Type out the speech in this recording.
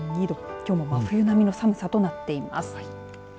きょうも真冬並みの寒さとなっています。